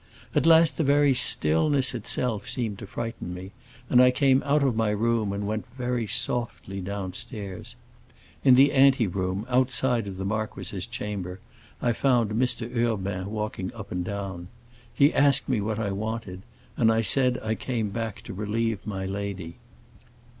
At last the very stillness itself seemed to frighten me, and I came out of my room and went very softly downstairs. In the anteroom, outside of the marquis's chamber, I found Mr. Urbain walking up and down. He asked me what I wanted, and I said I came back to relieve my lady.